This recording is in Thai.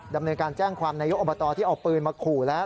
ดำเนินการแจ้งความนายกอบตที่เอาปืนมาขู่แล้ว